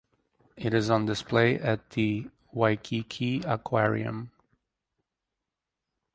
It is on display at the Waikiki Aquarium.